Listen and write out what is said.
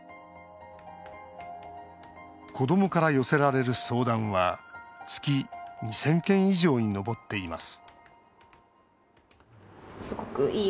子どもから寄せられる相談は月２０００件以上に上っています